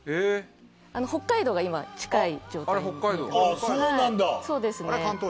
北海道が近い状態です。